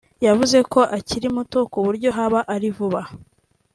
yavuze ko akiri muto kuburyo haba ari vuba